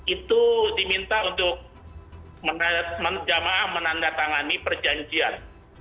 itu diminta untuk jamaah menandatangani perjanjian